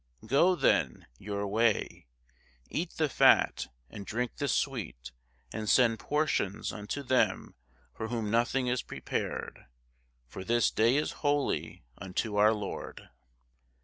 "Go," then, "your way; eat the fat and drink the sweet, and send portions unto them for whom nothing is prepared: for this day is holy unto our Lord."